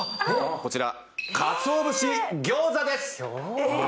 こちらかつお節餃子ですえっああ